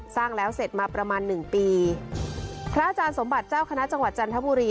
สร้างแล้วเสร็จมาประมาณหนึ่งปีพระอาจารย์สมบัติเจ้าคณะจังหวัดจันทบุรี